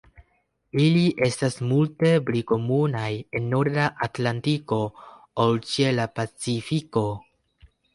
Ili estas multe pli komunaj en norda Atlantiko ol ĉe la Pacifiko.